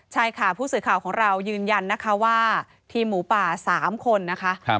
ใช่ค่ะผู้สื่อข่าวของเรายืนยันนะคะว่าทีมหมูป่า๓คนนะคะ